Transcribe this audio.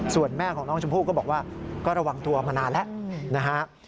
ส่วนแม่ของน้องชมพู่ก็บอกว่าก็ระวังตัวมานานแล้วนะฮะ